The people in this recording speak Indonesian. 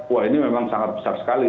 wah ini memang sangat besar sekali